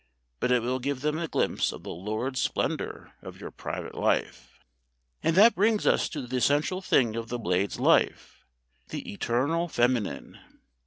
But it will give them a glimpse of the lurid splendour of your private life. And that brings us to the central thing of the Blade's life, the eternal Feminine!